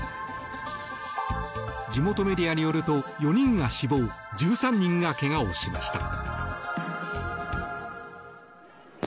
地元メディアによると４人が死亡１３人がけがをしました。